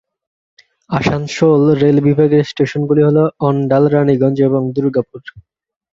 Asansol rail বিভাগের স্টেশনগুলি হল অণ্ডাল, রাণীগঞ্জ এবং দুর্গাপুর।